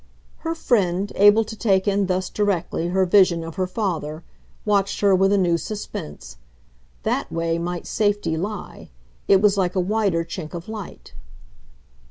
Her friend, able to take in thus directly her vision of her father, watched her with a new suspense. THAT way might safety lie it was like a wider chink of light.